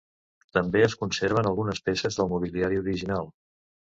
També es conserven algunes peces del mobiliari original.